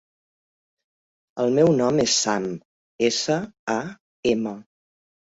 El meu nom és Sam: essa, a, ema.